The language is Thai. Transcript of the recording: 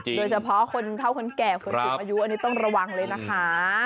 โดยเฉพาะคนเท่าคนแก่คนสูงอายุอันนี้ต้องระวังเลยนะคะ